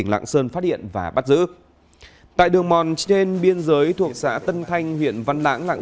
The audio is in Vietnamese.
lạng sơn phát hiện và bắt giữ tại đường mòn trên biên giới thuộc xã tân thanh huyện văn lãng lạng